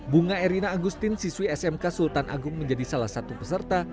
bunga erina agustin siswi smk sultan agung menjadi salah satu peserta